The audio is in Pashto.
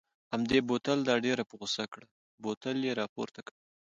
همدې بوتل دا ډېره په غوسه کړل، بوتل یې را پورته کړ.